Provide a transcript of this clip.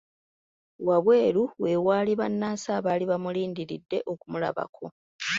Wabweru we waali bannansi abaali bamulindiridde okumulabako.